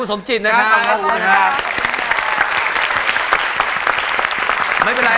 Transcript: สถานีรถไฟไทย